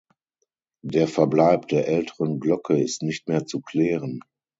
Der Verbleib der älteren Glocke ist nicht mehr zu klären.